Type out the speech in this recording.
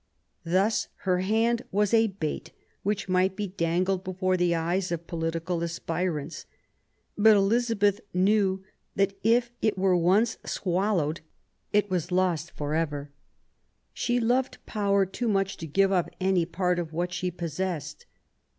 Thus her hand was a bait which might be dangled before the eyes of political aspirants; but Elizabeth knew that, if it were once swallowed, it was lost for ever. She loved power too much to give up any part of what she possessed.